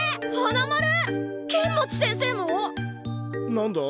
何だ？